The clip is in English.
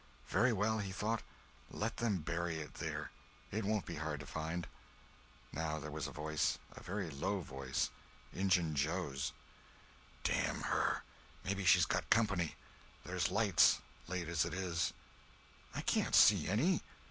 Very well, he thought, let them bury it there; it won't be hard to find. Now there was a voice—a very low voice—Injun Joe's: "Damn her, maybe she's got company—there's lights, late as it is." "I can't see any."